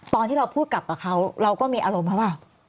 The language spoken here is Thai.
ตอนที่เราพูดกลับกับเขาเราก็มีอารมณ์เขาเปล่า